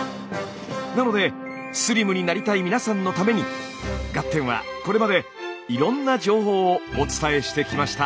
なのでスリムになりたい皆さんのために「ガッテン！」はこれまでいろんな情報をお伝えしてきました。